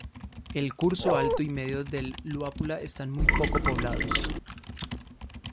El curso alto y medio del Luapula están muy poco poblados.